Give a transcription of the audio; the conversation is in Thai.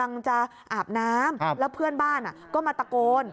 แล้วเพื่อนบ้านก็มาตะโกน